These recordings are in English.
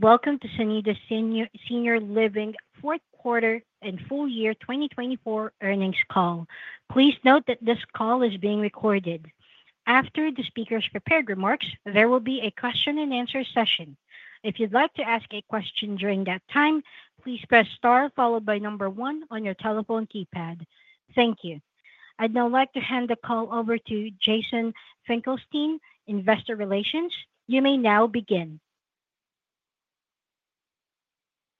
Welcome to Sonida Senior Living Fourth Quarter and Full Year 2024 Earnings Call. Please note that this call is being recorded. After the speaker's prepared remarks, there will be a question-and-answer session. If you'd like to ask a question during that time, please press star followed by number one on your telephone keypad. Thank you. I'd now like to hand the call over to Jason Finkelstein, Investor Relations. You may now begin.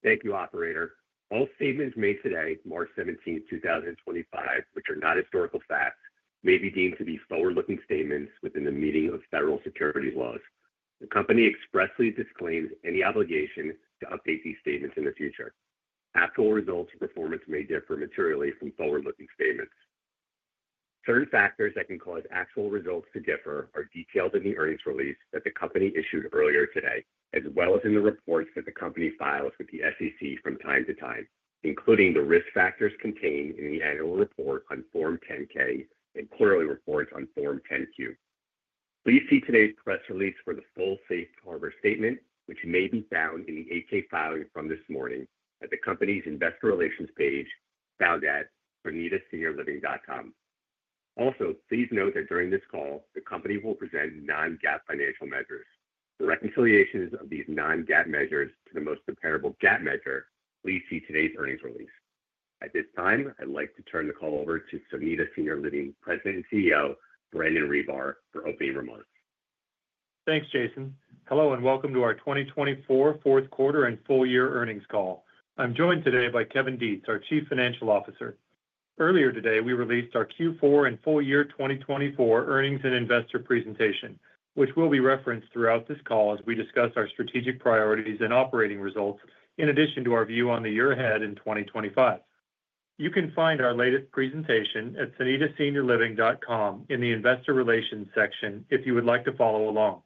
Thank you, Operator. All statements made today, March 17, 2025, which are not historical facts, may be deemed to be forward-looking statements within the meaning of federal securities laws. The company expressly disclaims any obligation to update these statements in the future. Actual results and performance may differ materially from forward-looking statements. Certain factors that can cause actual results to differ are detailed in the earnings release that the company issued earlier today, as well as in the reports that the company files with the SEC from time to time, including the risk factors contained in the annual report on Form 10-K and quarterly reports on Form 10-Q. Please see today's press release for the full Safe Harbor statement, which may be found in the 8-K filing from this morning at the company's Investor Relations page, found at sonidaseniorliving.com. Also, please note that during this call, the company will present non-GAAP financial measures. The reconciliations of these non-GAAP measures to the most comparable GAAP measure linked to today's earnings release. At this time, I'd like to turn the call over to Sonida Senior Living President and CEO, Brandon Ribar, for opening remarks. Thanks, Jason. Hello and welcome to our 2024 fourth quarter and full year earnings call. I'm joined today by Kevin Detz, our Chief Financial Officer. Earlier today, we released our Q4 and full year 2024 earnings and investor presentation, which will be referenced throughout this call as we discuss our strategic priorities and operating results, in addition to our view on the year ahead in 2025. You can find our latest presentation at sonidaseniorliving.com in the Investor Relations section if you would like to follow along.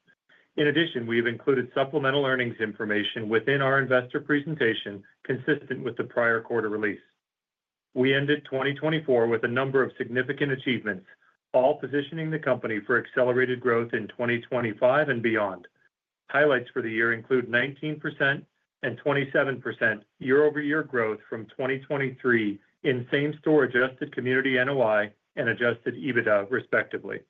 In addition, we have included supplemental earnings information within our investor presentation consistent with the prior quarter release. We ended 2024 with a number of significant achievements, all positioning the company for accelerated growth in 2025 and beyond. Highlights for the year include 19% and 27% year-over-year growth from 2023 in same-store adjusted community NOI and Adjusted EBITDA, respectively.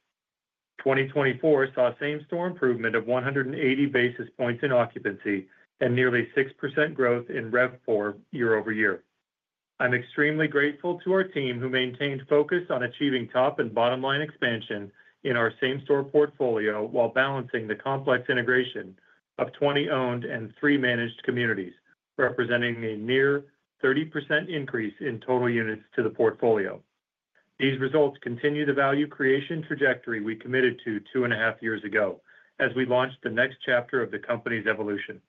2024 saw same-store improvement of 180 basis points in occupancy and nearly 6% growth in RevPOR year-over-year. I'm extremely grateful to our team who maintained focus on achieving top and bottom-line expansion in our same-store portfolio while balancing the complex integration of 20 owned and three managed communities, representing a near 30% increase in total units to the portfolio. These results continue the value creation trajectory we committed to two and a half years ago as we launched the next chapter of the company's evolution.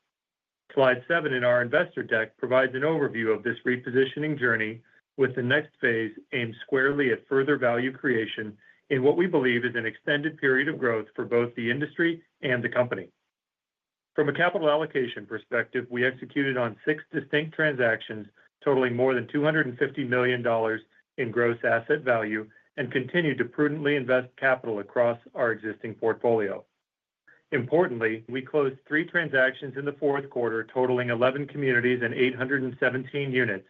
Slide seven in our investor deck provides an overview of this repositioning journey with the next phase aimed squarely at further value creation in what we believe is an extended period of growth for both the industry and the company. From a capital allocation perspective, we executed on six distinct transactions totaling more than $250 million in gross asset value and continued to prudently invest capital across our existing portfolio. Importantly, we closed three transactions in the fourth quarter totaling 11 communities and 817 units,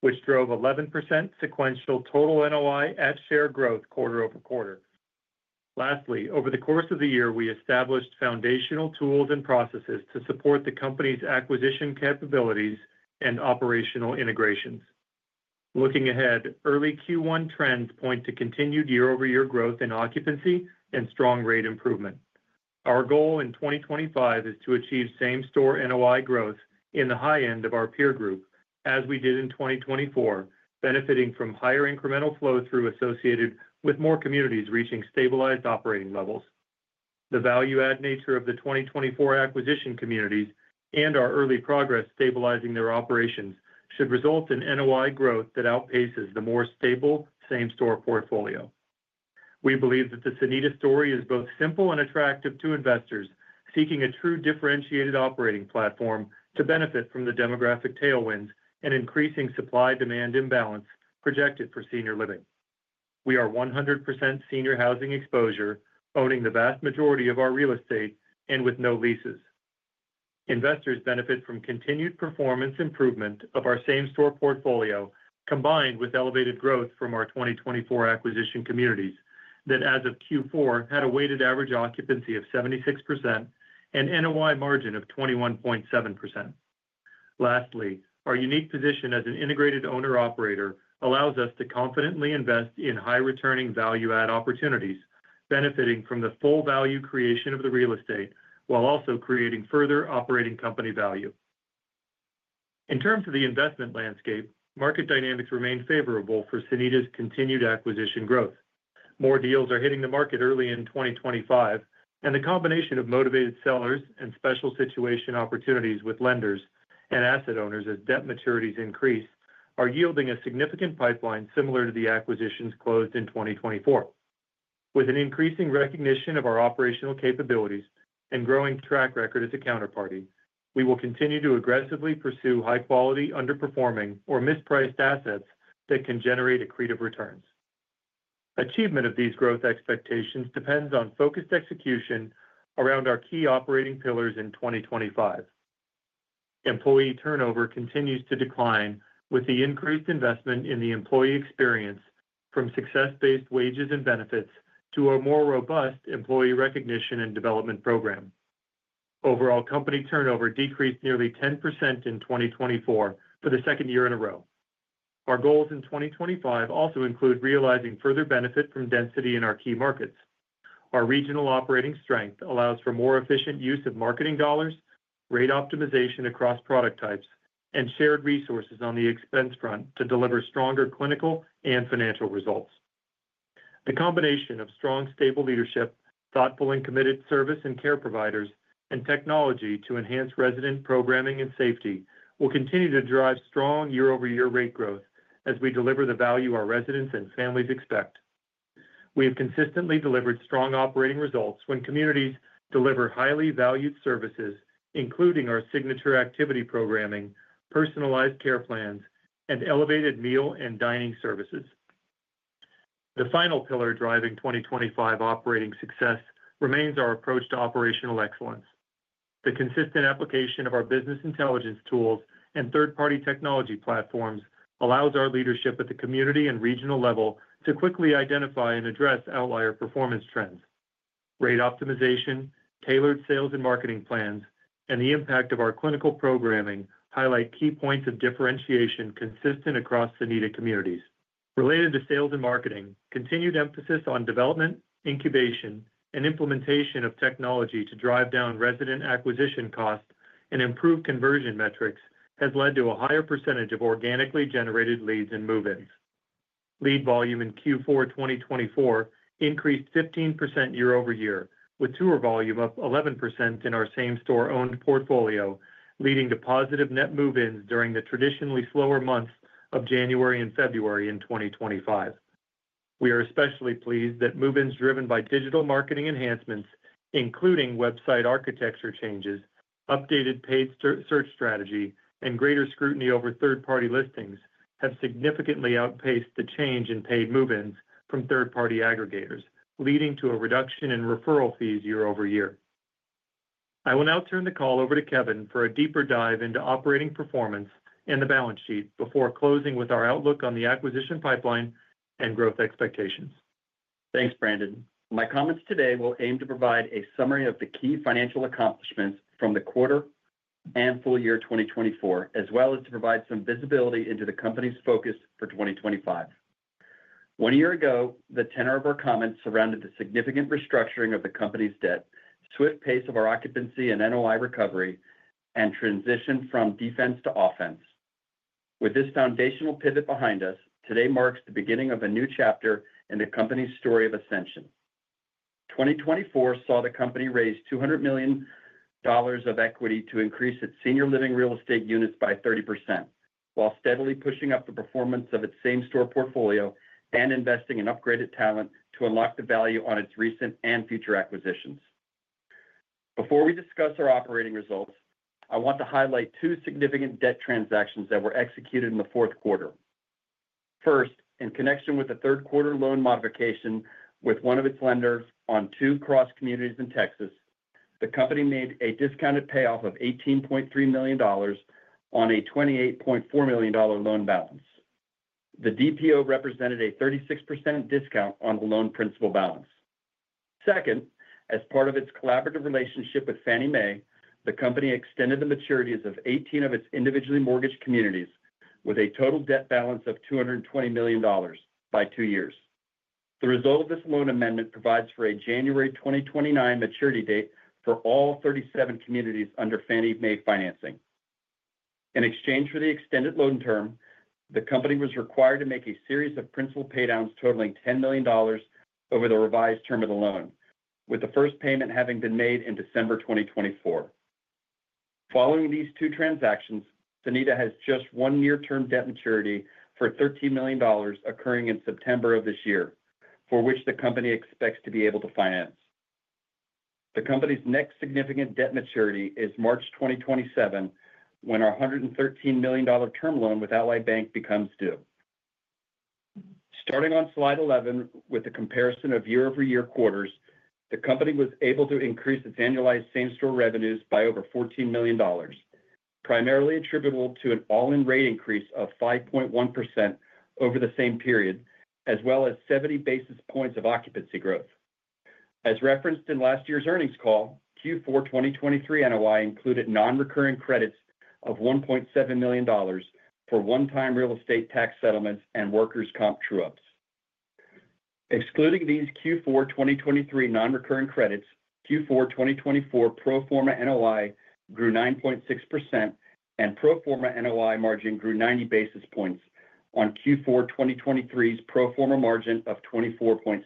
which drove 11% sequential total NOI at share growth quarter over quarter. Lastly, over the course of the year, we established foundational tools and processes to support the company's acquisition capabilities and operational integrations. Looking ahead, early Q1 trends point to continued year-over-year growth in occupancy and strong rate improvement. Our goal in 2025 is to achieve same-store NOI growth in the high end of our peer group as we did in 2024, benefiting from higher incremental flow-through associated with more communities reaching stabilized operating levels. The value-add nature of the 2024 acquisition communities and our early progress stabilizing their operations should result in NOI growth that outpaces the more stable same-store portfolio. We believe that the Sonida story is both simple and attractive to investors seeking a true differentiated operating platform to benefit from the demographic tailwinds and increasing supply-demand imbalance projected for senior living. We are 100% senior housing exposure, owning the vast majority of our real estate and with no leases. Investors benefit from continued performance improvement of our same-store portfolio combined with elevated growth from our 2024 acquisition communities that, as of Q4, had a weighted average occupancy of 76% and NOI margin of 21.7%. Lastly, our unique position as an integrated owner-operator allows us to confidently invest in high-returning value-add opportunities, benefiting from the full value creation of the real estate while also creating further operating company value. In terms of the investment landscape, market dynamics remain favorable for Sonida's continued acquisition growth. More deals are hitting the market early in 2025, and the combination of motivated sellers and special situation opportunities with lenders and asset owners as debt maturities increase are yielding a significant pipeline similar to the acquisitions closed in 2024. With an increasing recognition of our operational capabilities and growing track record as a counterparty, we will continue to aggressively pursue high-quality, underperforming, or mispriced assets that can generate accretive returns. Achievement of these growth expectations depends on focused execution around our key operating pillars in 2025. Employee turnover continues to decline with the increased investment in the employee experience from success-based wages and benefits to a more robust employee recognition and development program. Overall, company turnover decreased nearly 10% in 2024 for the second year in a row. Our goals in 2025 also include realizing further benefit from density in our key markets. Our regional operating strength allows for more efficient use of marketing dollars, rate optimization across product types, and shared resources on the expense front to deliver stronger clinical and financial results. The combination of strong, stable leadership, thoughtful and committed service and care providers, and technology to enhance resident programming and safety will continue to drive strong year-over-year rate growth as we deliver the value our residents and families expect. We have consistently delivered strong operating results when communities deliver highly valued services, including our signature activity programming, personalized care plans, and elevated meal and dining services. The final pillar driving 2025 operating success remains our approach to operational excellence. The consistent application of our business intelligence tools and third-party technology platforms allows our leadership at the community and regional level to quickly identify and address outlier performance trends. Rate optimization, tailored sales and marketing plans, and the impact of our clinical programming highlight key points of differentiation consistent across Sonida communities. Related to sales and marketing, continued emphasis on development, incubation, and implementation of technology to drive down resident acquisition costs and improve conversion metrics has led to a higher percentage of organically generated leads and move-ins. Lead volume in Q4 2024 increased 15% year-over-year, with tour volume up 11% in our same-store owned portfolio, leading to positive net move-ins during the traditionally slower months of January and February in 2025. We are especially pleased that move-ins driven by digital marketing enhancements, including website architecture changes, updated paid search strategy, and greater scrutiny over third-party listings have significantly outpaced the change in paid move-ins from third-party aggregators, leading to a reduction in referral fees year-over-year. I will now turn the call over to Kevin for a deeper dive into operating performance and the balance sheet before closing with our outlook on the acquisition pipeline and growth expectations. Thanks, Brandon. My comments today will aim to provide a summary of the key financial accomplishments from the quarter and full year 2024, as well as to provide some visibility into the company's focus for 2025. One year ago, the tenor of our comments surrounded the significant restructuring of the company's debt, swift pace of our occupancy and NOI recovery, and transition from defense to offense. With this foundational pivot behind us, today marks the beginning of a new chapter in the company's story of ascension. 2024 saw the company raise $200 million of equity to increase its senior living real estate units by 30%, while steadily pushing up the performance of its same-store portfolio and investing in upgraded talent to unlock the value on its recent and future acquisitions. Before we discuss our operating results, I want to highlight two significant debt transactions that were executed in the fourth quarter. First, in connection with a third-quarter loan modification with one of its lenders on two cross-collateralized communities in Texas, the company made a discounted payoff of $18.3 million on a $28.4 million loan balance. The DPO represented a 36% discount on the loan principal balance. Second, as part of its collaborative relationship with Fannie Mae, the company extended the maturities of 18 of its individually mortgaged communities with a total debt balance of $220 million by two years. The result of this loan amendment provides for a January 2029 maturity date for all 37 communities under Fannie Mae financing. In exchange for the extended loan term, the company was required to make a series of principal paydowns totaling $10 million over the revised term of the loan, with the first payment having been made in December 2024. Following these two transactions, Sonida has just one near-term debt maturity for $13 million occurring in September of this year, for which the company expects to be able to finance. The company's next significant debt maturity is March 2027 when our $113 million term loan with Ally Bank becomes due. Starting on slide 11, with the comparison of year-over-year quarters, the company was able to increase its annualized same-store revenues by over $14 million, primarily attributable to an all-in rate increase of 5.1% over the same period, as well as 70 basis points of occupancy growth. As referenced in last year's earnings call, Q4 2023 NOI included non-recurring credits of $1.7 million for one-time real estate tax settlements and workers' comp true-ups. Excluding these Q4 2023 non-recurring credits, Q4 2024 pro forma NOI grew 9.6% and pro forma NOI margin grew 90 basis points on Q4 2023's pro forma margin of 24.6%.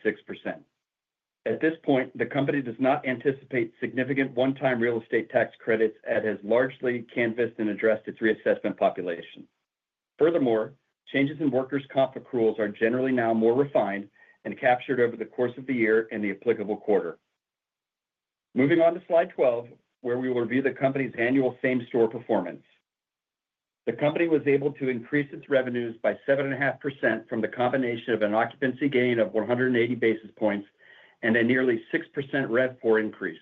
At this point, the company does not anticipate significant one-time real estate tax credits and has largely canvassed and addressed its reassessment population. Furthermore, changes in workers' comp accruals are generally now more refined and captured over the course of the year in the applicable quarter. Moving on to slide 12, where we will review the company's annual same-store performance. The company was able to increase its revenues by 7.5% from the combination of an occupancy gain of 180 basis points and a nearly 6% RevPOR increase.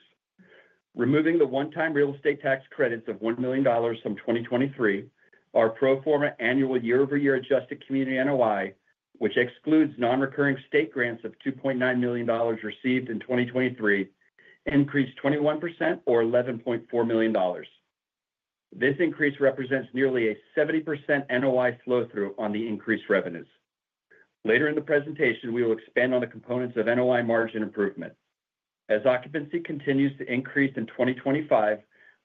Removing the one-time real estate tax credits of $1 million from 2023, our pro forma annual year-over-year adjusted community NOI, which excludes non-recurring state grants of $2.9 million received in 2023, increased 21% or $11.4 million. This increase represents nearly a 70% NOI flow-through on the increased revenues. Later in the presentation, we will expand on the components of NOI margin improvement. As occupancy continues to increase in 2025,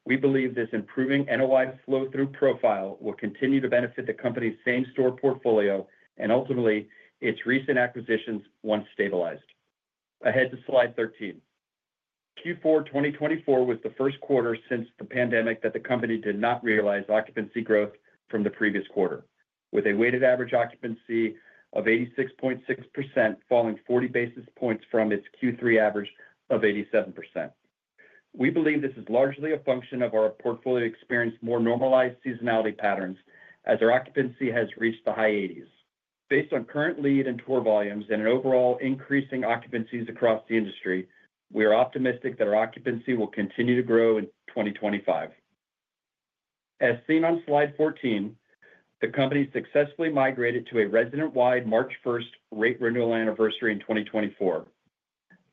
we believe this improving NOI flow-through profile will continue to benefit the company's same-store portfolio and ultimately its recent acquisitions once stabilized. Ahead to slide 13. Q4 2024 was the first quarter since the pandemic that the company did not realize occupancy growth from the previous quarter, with a weighted average occupancy of 86.6% falling 40 basis points from its Q3 average of 87%. We believe this is largely a function of our portfolio experiencing more normalized seasonality patterns as our occupancy has reached the high 80s. Based on current lead and tour volumes and an overall increase in occupancies across the industry, we are optimistic that our occupancy will continue to grow in 2025. As seen on slide 14, the company successfully migrated to a resident-wide March 1 rate renewal anniversary in 2024,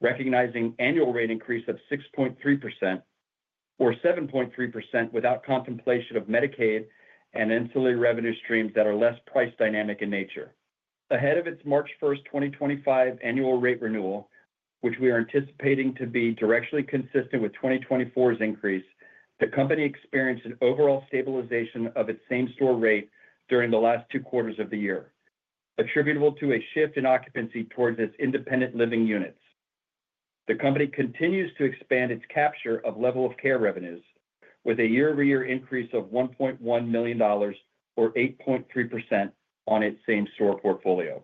recognizing annual rate increase of 6.3% or 7.3% without contemplation of Medicaid and insulated revenue streams that are less price dynamic in nature. Ahead of its March 1, 2025 annual rate renewal, which we are anticipating to be directionally consistent with 2024's increase, the company experienced an overall stabilization of its same-store rate during the last two quarters of the year, attributable to a shift in occupancy towards its independent living units. The company continues to expand its capture of level of care revenues, with a year-over-year increase of $1.1 million or 8.3% on its same-store portfolio.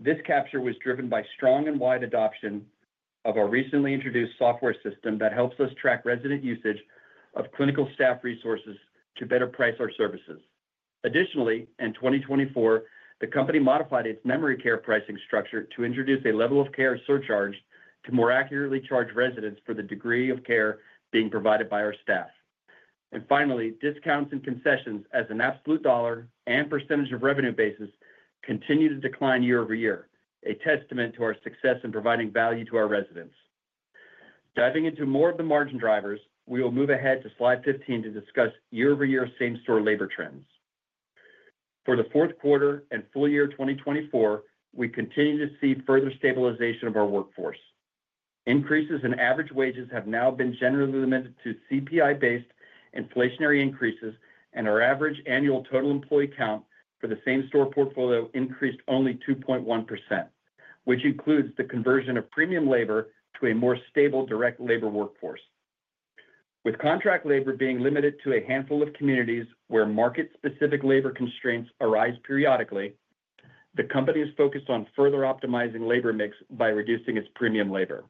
This capture was driven by strong and wide adoption of our recently introduced software system that helps us track resident usage of clinical staff resources to better price our services. Additionally, in 2024, the company modified its memory care pricing structure to introduce a level of care surcharge to more accurately charge residents for the degree of care being provided by our staff. Finally, discounts and concessions as an absolute dollar and percentage of revenue basis continue to decline year-over-year, a testament to our success in providing value to our residents. Diving into more of the margin drivers, we will move ahead to slide 15 to discuss year-over-year same-store labor trends. For the fourth quarter and full year 2024, we continue to see further stabilization of our workforce. Increases in average wages have now been generally limited to CPI-based inflationary increases, and our average annual total employee count for the same-store portfolio increased only 2.1%, which includes the conversion of premium labor to a more stable direct labor workforce. With contract labor being limited to a handful of communities where market-specific labor constraints arise periodically, the company is focused on further optimizing labor mix by reducing its premium labor.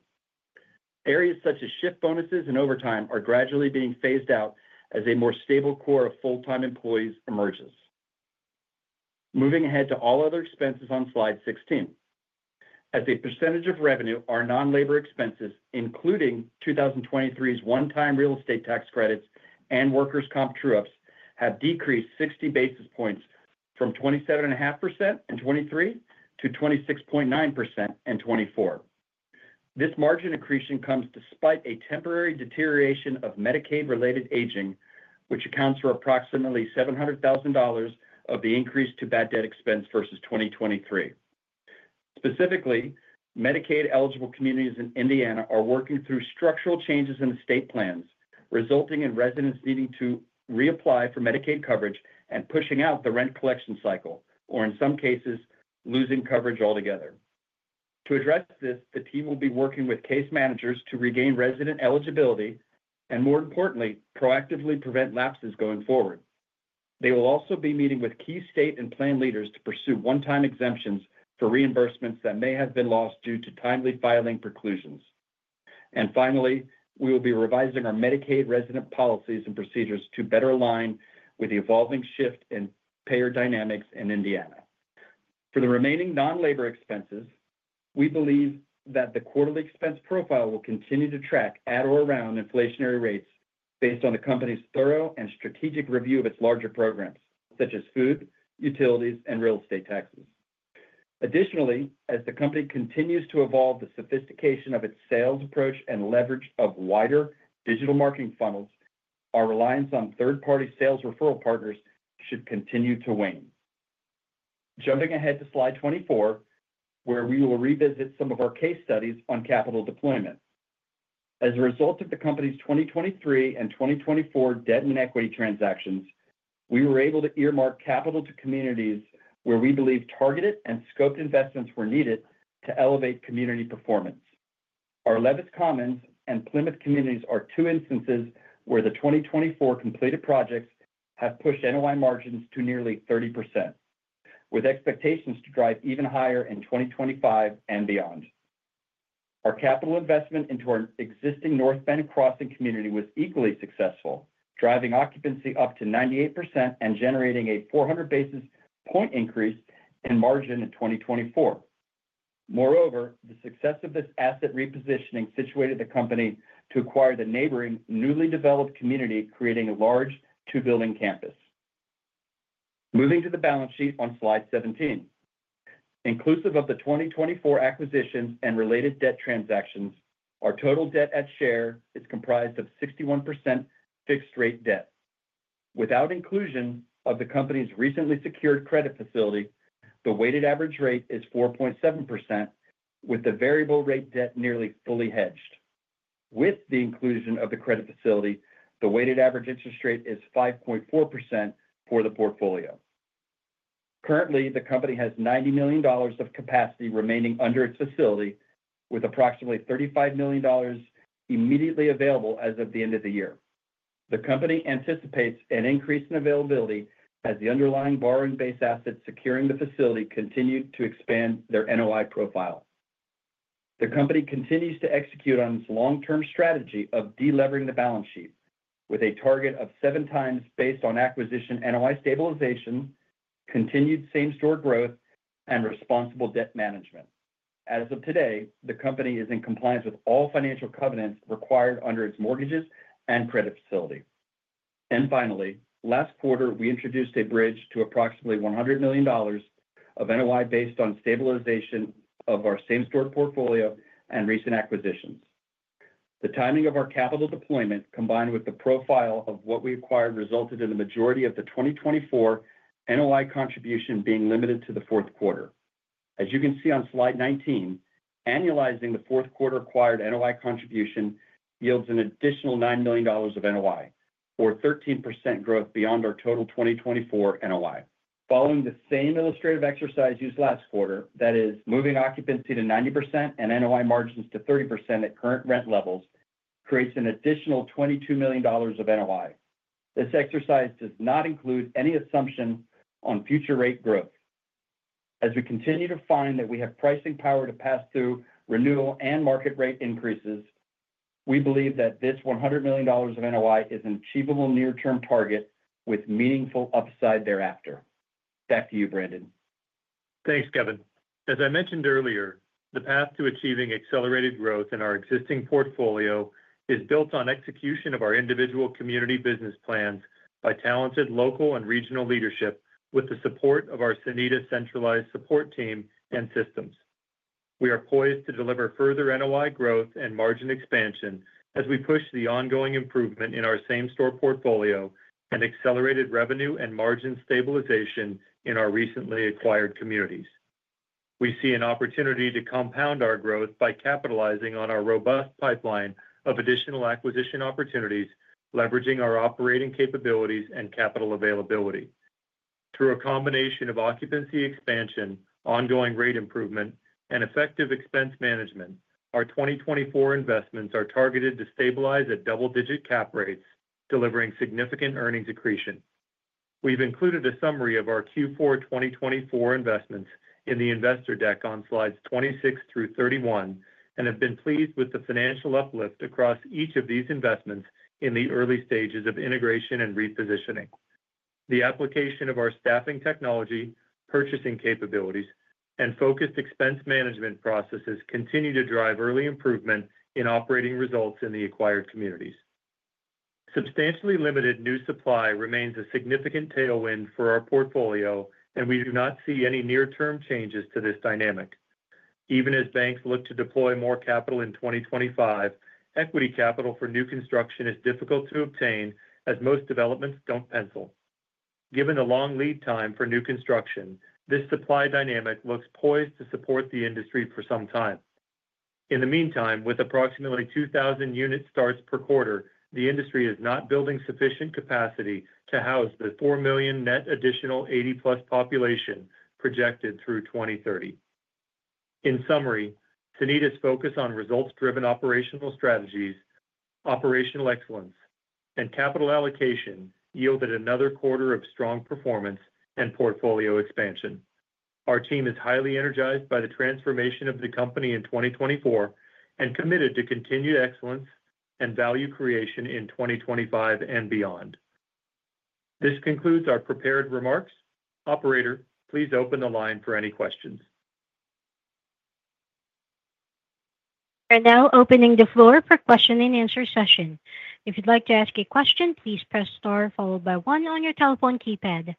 Areas such as shift bonuses and overtime are gradually being phased out as a more stable core of full-time employees emerges. Moving ahead to all other expenses on slide 16. As a percentage of revenue, our non-labor expenses, including 2023's one-time real estate tax credits and workers' comp true-ups, have decreased 60 basis points from 27.5% in 2023 to 26.9% in 2024. This margin accretion comes despite a temporary deterioration of Medicaid-related aging, which accounts for approximately $700,000 of the increase to bad debt expense versus 2023. Specifically, Medicaid-eligible communities in Indiana are working through structural changes in the state plans, resulting in residents needing to reapply for Medicaid coverage and pushing out the rent collection cycle, or in some cases, losing coverage altogether. To address this, the team will be working with case managers to regain resident eligibility and, more importantly, proactively prevent lapses going forward. They will also be meeting with key state and plan leaders to pursue one-time exemptions for reimbursements that may have been lost due to timely filing preclusions. Finally, we will be revising our Medicaid resident policies and procedures to better align with the evolving shift in payer dynamics in Indiana. For the remaining non-labor expenses, we believe that the quarterly expense profile will continue to track at or around inflationary rates based on the company's thorough and strategic review of its larger programs, such as food, utilities, and real estate taxes. Additionally, as the company continues to evolve the sophistication of its sales approach and leverage of wider digital marketing funnels, our reliance on third-party sales referral partners should continue to wane. Jumping ahead to slide 24, where we will revisit some of our case studies on capital deployment. As a result of the company's 2023 and 2024 debt and equity transactions, we were able to earmark capital to communities where we believe targeted and scoped investments were needed to elevate community performance. Our Levis Commons and Plymouth communities are two instances where the 2024 completed projects have pushed NOI margins to nearly 30%, with expectations to drive even higher in 2025 and beyond. Our capital investment into our existing North Bend Crossing community was equally successful, driving occupancy up to 98% and generating a 400 basis point increase in margin in 2024. Moreover, the success of this asset repositioning situated the company to acquire the neighboring newly developed community, creating a large two-building campus. Moving to the balance sheet on slide 17. Inclusive of the 2024 acquisitions and related debt transactions, our total debt at share is comprised of 61% fixed-rate debt. Without inclusion of the company's recently secured credit facility, the weighted average rate is 4.7%, with the variable rate debt nearly fully hedged. With the inclusion of the credit facility, the weighted average interest rate is 5.4% for the portfolio. Currently, the company has $90 million of capacity remaining under its facility, with approximately $35 million immediately available as of the end of the year. The company anticipates an increase in availability as the underlying borrowing base assets securing the facility continue to expand their NOI profile. The company continues to execute on its long-term strategy of delevering the balance sheet, with a target of seven times based on acquisition NOI stabilization, continued same-store growth, and responsible debt management. As of today, the company is in compliance with all financial covenants required under its mortgages and credit facility. Last quarter, we introduced a bridge to approximately $100 million of NOI based on stabilization of our same-store portfolio and recent acquisitions. The timing of our capital deployment, combined with the profile of what we acquired, resulted in the majority of the 2024 NOI contribution being limited to the fourth quarter. As you can see on slide 19, annualizing the fourth quarter acquired NOI contribution yields an additional $9 million of NOI, or 13% growth beyond our total 2024 NOI. Following the same illustrative exercise used last quarter, that is, moving occupancy to 90% and NOI margins to 30% at current rent levels, creates an additional $22 million of NOI. This exercise does not include any assumption on future rate growth. As we continue to find that we have pricing power to pass through renewal and market rate increases, we believe that this $100 million of NOI is an achievable near-term target with meaningful upside thereafter. Back to you, Brandon. Thanks, Kevin. As I mentioned earlier, the path to achieving accelerated growth in our existing portfolio is built on execution of our individual community business plans by talented local and regional leadership, with the support of our Sonida centralized support team and systems. We are poised to deliver further NOI growth and margin expansion as we push the ongoing improvement in our same-store portfolio and accelerated revenue and margin stabilization in our recently acquired communities. We see an opportunity to compound our growth by capitalizing on our robust pipeline of additional acquisition opportunities, leveraging our operating capabilities and capital availability. Through a combination of occupancy expansion, ongoing rate improvement, and effective expense management, our 2024 investments are targeted to stabilize at double-digit cap rates, delivering significant earnings accretion. We've included a summary of our Q4 2024 investments in the investor deck on slides 26 through 31 and have been pleased with the financial uplift across each of these investments in the early stages of integration and repositioning. The application of our staffing technology, purchasing capabilities, and focused expense management processes continue to drive early improvement in operating results in the acquired communities. Substantially limited new supply remains a significant tailwind for our portfolio, and we do not see any near-term changes to this dynamic. Even as banks look to deploy more capital in 2025, equity capital for new construction is difficult to obtain as most developments don't pencil. Given the long lead time for new construction, this supply dynamic looks poised to support the industry for some time. In the meantime, with approximately 2,000 unit starts per quarter, the industry is not building sufficient capacity to house the 4 million net additional 80-plus population projected through 2030. In summary, Sonida's focus on results-driven operational strategies, operational excellence, and capital allocation yielded another quarter of strong performance and portfolio expansion. Our team is highly energized by the transformation of the company in 2024 and committed to continued excellence and value creation in 2025 and beyond. This concludes our prepared remarks. Operator, please open the line for any questions. We are now opening the floor for question-and-answer session. If you'd like to ask a question, please press star followed by one on your telephone keypad.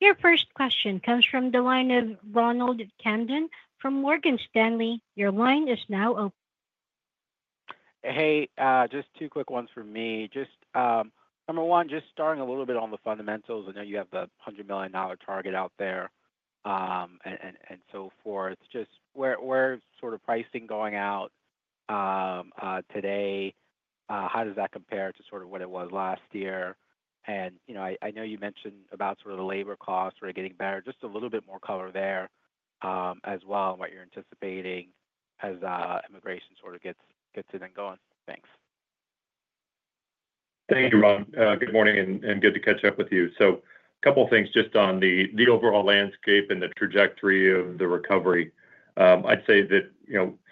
Your first question comes from the line of Ronald Kamdem from Morgan Stanley. Your line is now open. Hey, just two quick ones for me. Just number one, just starting a little bit on the fundamentals. I know you have the $100 million target out there and so forth. Just where is sort of pricing going out today? How does that compare to sort of what it was last year? I know you mentioned about sort of the labor costs are getting better. Just a little bit more color there as well on what you're anticipating as immigration sort of gets a bit going. Thanks. Thank you, Ronald. Good morning and good to catch up with you. A couple of things just on the overall landscape and the trajectory of the recovery. I'd say that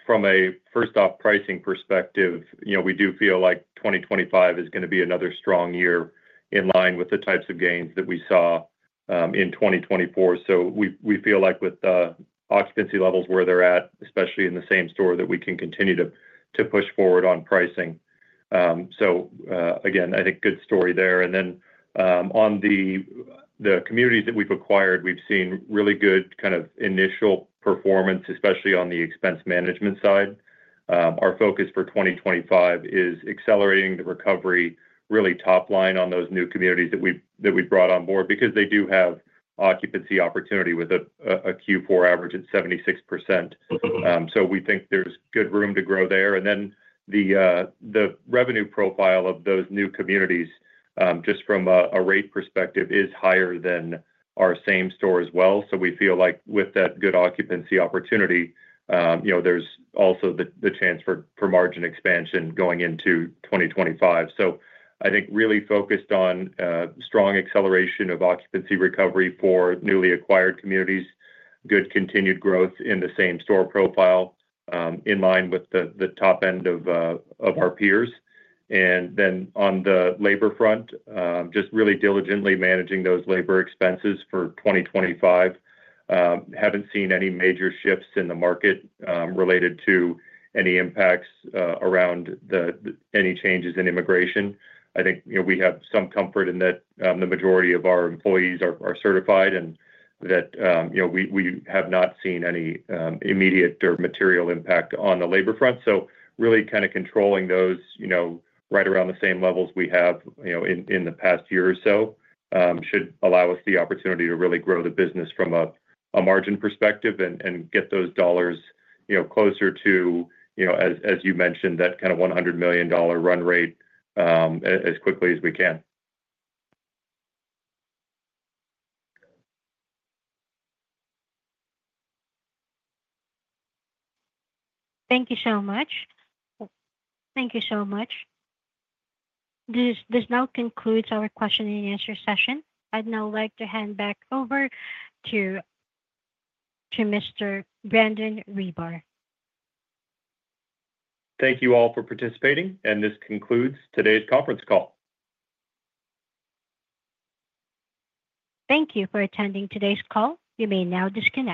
from a first-off pricing perspective, we do feel like 2025 is going to be another strong year in line with the types of gains that we saw in 2024. We feel like with the occupancy levels where they're at, especially in the same-store, that we can continue to push forward on pricing. I think good story there. On the communities that we've acquired, we've seen really good kind of initial performance, especially on the expense management side. Our focus for 2025 is accelerating the recovery really top line on those new communities that we brought on board because they do have occupancy opportunity with a Q4 average at 76%. We think there's good room to grow there. The revenue profile of those new communities, just from a rate perspective, is higher than our same-store as well. We feel like with that good occupancy opportunity, there's also the chance for margin expansion going into 2025. I think really focused on strong acceleration of occupancy recovery for newly acquired communities, good continued growth in the same-store profile in line with the top end of our peers. Then on the labor front, just really diligently managing those labor expenses for 2025. Have not seen any major shifts in the market related to any impacts around any changes in immigration. I think we have some comfort in that the majority of our employees are certified and that we have not seen any immediate or material impact on the labor front. Really kind of controlling those right around the same levels we have in the past year or so should allow us the opportunity to really grow the business from a margin perspective and get those dollars closer to, as you mentioned, that kind of $100 million run rate as quickly as we can. Thank you so much. This now concludes our question-and-answer session. I'd now like to hand back over to Mr. Brandon Ribar. Thank you all for participating, and this concludes today's conference call. Thank you for attending today's call. You may now disconnect.